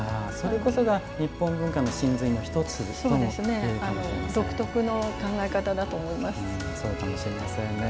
それこそが日本文化の神髄の一つともいえるかもしれません。